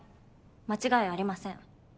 間違いありません。